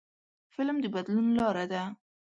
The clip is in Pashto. فلم د بدلون لاره ده